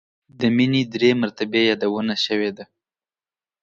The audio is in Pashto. د مینې درې مرتبې یادونه شوې ده.